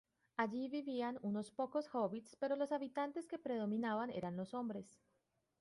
Allí vivían unos pocos hobbits, pero los habitantes que predominaban eran los hombres.